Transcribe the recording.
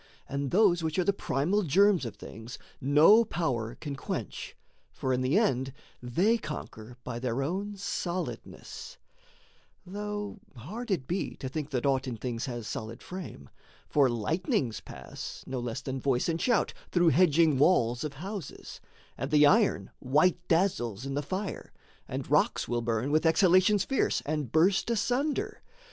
And those which are the primal germs of things No power can quench; for in the end they conquer By their own solidness; though hard it be To think that aught in things has solid frame; For lightnings pass, no less than voice and shout, Through hedging walls of houses, and the iron White dazzles in the fire, and rocks will burn With exhalations fierce and burst asunder.